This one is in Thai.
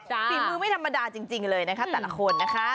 ฝีมือไม่ธรรมดาจริงเลยนะคะแต่ละคนนะคะ